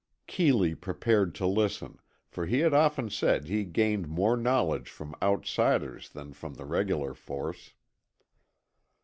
Keeley prepared to listen, for he had often said he gained more knowledge from outsiders than from the regular force.